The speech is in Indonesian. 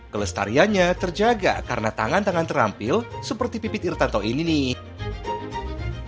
kelestariannya terjaga karena tangan tangan terampil seperti pipit irtanto ini nih